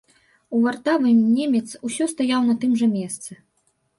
А вартавы немец усё стаяў на тым жа месцы.